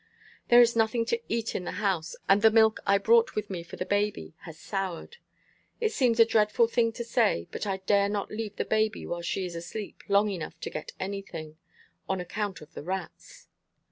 There is nothing to eat in the house, and the milk I brought with me for the baby has soured. It seems a dreadful thing to say, but I dare not leave the baby while she is asleep long enough to get anything on account of the rats.'